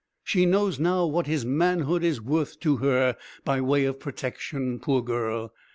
She knows now what his manhood is worth to her, by way of protection, poor girl.